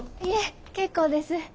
いえ結構です。